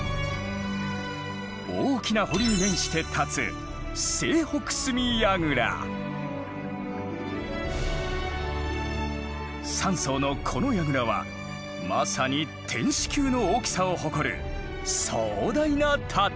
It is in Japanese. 大きな堀に面して立つ３層のこの櫓はまさに天守級の大きさを誇る壮大な建物。